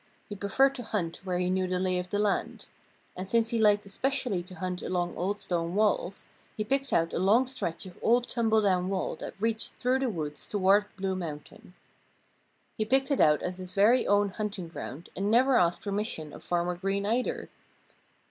He preferred to hunt where he knew the lay of the land. And since he liked especially to hunt along old stone walls, he picked out a long stretch of old tumble down wall that reached through the woods towards Blue Mountain. He picked it out as his very own hunting ground and never asked permission of Farmer Green, either.